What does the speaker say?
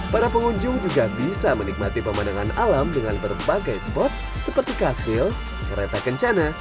para pengunjung juga bisa menikmati pemandangan alam dengan berbagai spot seperti kastil kereta kencana